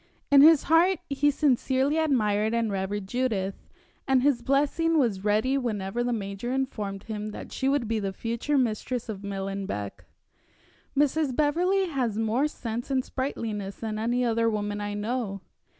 In his heart he sincerely admired and revered Judith, and his blessing was ready whenever the major informed him that she would be the future mistress of Millenbeck. "Mrs. Beverley has more sense and sprightliness than any other woman I know.